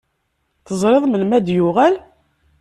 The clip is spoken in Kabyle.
Teẓriḍ melmi ara d-yuɣal?